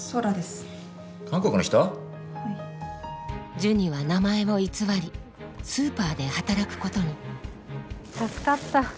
ジュニは名前を偽りスーパーで働くことに助かった。